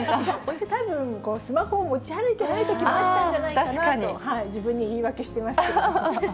たぶんスマホを持ち歩いてないときもあったんじゃないかなと、自分に言い訳していますけれども。